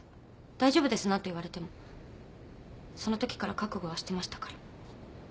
大丈夫です。なんて言われてもそのときから覚悟はしてましたから。